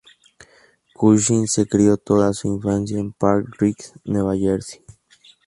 Cushing se crio toda su infancia en Park Ridge, Nueva Jersey.